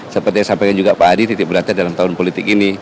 seperti yang sampaikan juga pak adi titik beratnya dalam tahun politik ini